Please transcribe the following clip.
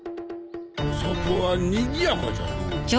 外はにぎやかじゃのう。